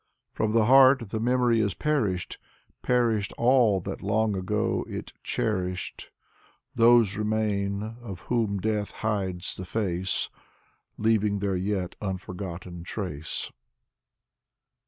From the heart the memory Is perished, Perished all that long ago it cherished! Those remain, of whom death hides the face, Leaving their yet unforgotten trace.